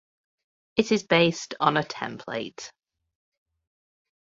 It is based on a template.